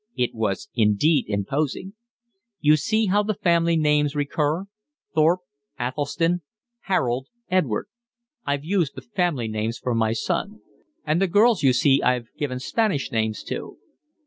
It was indeed imposing. "You see how the family names recur, Thorpe, Athelstan, Harold, Edward; I've used the family names for my sons. And the girls, you see, I've given Spanish names to."